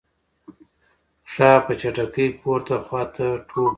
پښه په چټکۍ پورته خواته ټوپ وهي.